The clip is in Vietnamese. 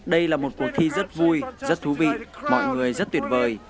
đây là một cuộc thi rất vui rất thú vị mọi người rất tuyệt vời